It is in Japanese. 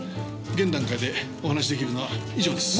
現段階でお話し出来るのは以上です。